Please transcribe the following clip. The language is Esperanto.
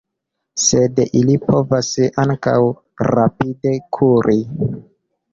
Sed ili povas ankaŭ rapide kuri.